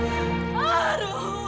ban mat breveh